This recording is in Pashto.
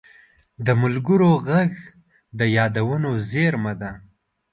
د ملګرو غږ د یادونو زېرمه ده